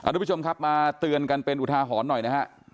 ทุกผู้ชมครับมาเตือนกันเป็นอุทาหรณ์หน่อยนะฮะ